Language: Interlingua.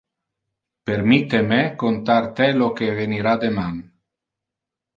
Permitte me contar te lo que evenira deman.